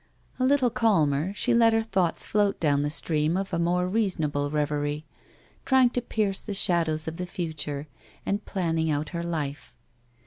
A little calmer, she let her thoughts float down the stream B ]8 A WOMAN'S LIFE. of a more reasonable reverie, trying to pierce the shadows of the future and planning out her life.